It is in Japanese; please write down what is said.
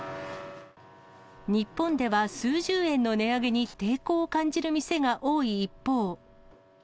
日本では数十円の値上げに抵抗を感じる店が多い一方。